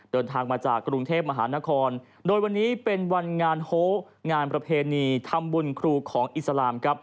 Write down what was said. เดินทางมาจากกรุงเทพมหานครโดยวันนี้เป็นวันงานโฮงานประเพณีทำบุญครูของอิสลามครับ